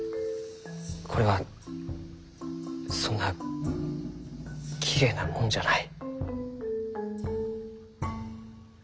これはそんなきれいなもんじゃない。